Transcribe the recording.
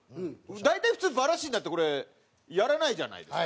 大体普通バラシになってこれやらないじゃないですか。